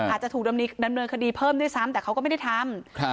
อาจจะถูกดำเนินคดีเพิ่มด้วยซ้ำแต่เขาก็ไม่ได้ทำ